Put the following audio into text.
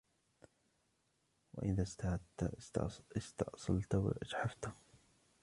وَإِذَا اسْتَرَدَّتْ اسْتَأْصَلَتْ وَأَجْحَفَتْ